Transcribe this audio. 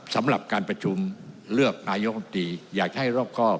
สำหรับการประชุมเลือกนายกรรมตรีอยากให้รอบครอบ